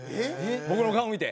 僕の顔見て。